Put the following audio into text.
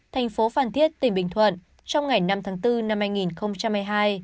tp phản thiết tỉnh bình thuận trong ngày năm tháng bốn năm hai nghìn hai mươi hai